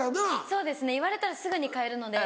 そうですね言われたらすぐに変えるので。